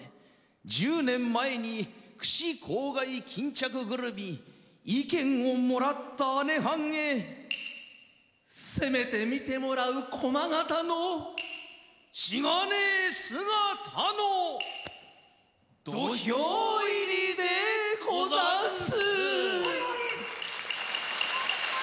十年前に櫛、笄、巾着ぐるみ、意見を貰った姐はんへ、せめて見て貰う駒形のしがねぇ姿の土俵入りでござんす。」